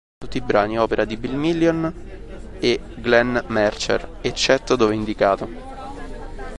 Tutti i brani opera di Bill Million e Glenn Mercer eccetto dove indicato.